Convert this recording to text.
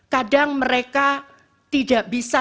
kadang mereka tidak bisa